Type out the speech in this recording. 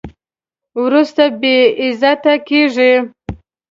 وروسته بې عزته کېږي.